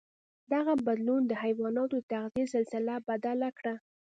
دغه بدلون د حیواناتو د تغذيې سلسله بدل کړه.